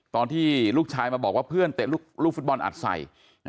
ตอนที่ลูกชายมาบอกว่าเพื่อนเตะลูกฟุตบอลอัดใส่